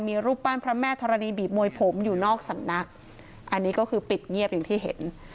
มีรูปปั้นพระแม่ธรณีบีบมวยผมอยู่นอกสำนักอันนี้ก็คือปิดเงียบอย่างที่เห็น